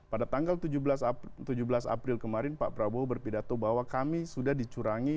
pada tanggal tujuh belas april kemarin pak prabowo berpidato bahwa kami sudah dicurangi